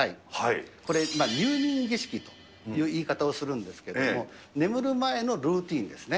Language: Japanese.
これ、入眠儀式という言い方をするんですけれども、眠る前のルーティンですね。